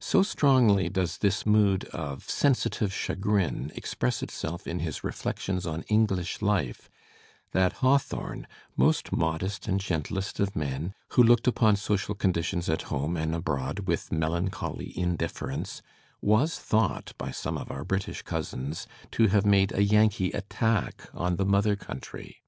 So strongly does this mood of sensitive chagrin express itself in his reflections on English life that Hawthorne, most modest and gentlest of men, who looked upon social conditions at home and abroad with melancholy indiflFerence, was thought by some of our British cousins to have made a Yankee attack on Digitized by Google HAWTHORNE 79 the mother country.